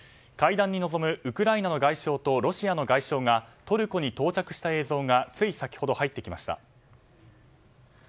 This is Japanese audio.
会談に臨むウクライナの外相とロシアの外相がトルコに到着した映像がつい先ほど入ってきました。